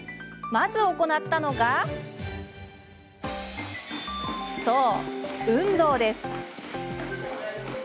まず行ったのがそう、運動です。